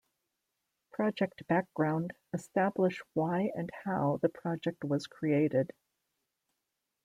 Project Background establish why and how the project was created.